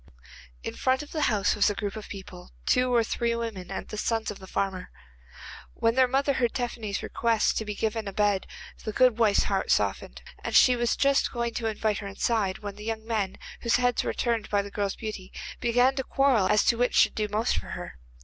In front of the house was a group of people; two or three women and the sons of the farmer. When their mother heard Tephany's request to be given a bed the good wife's heart softened, and she was just going to invite her inside, when the young men, whose heads were turned by the girl's beauty, began to quarrel as to which should do most for her.